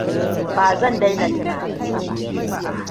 Ba zan daina tunaninsa ba.